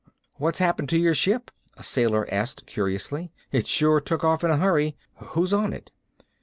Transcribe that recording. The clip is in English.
"What's happened to your ship?" a sailor asked curiously. "It sure took off in a hurry. Who's on it?"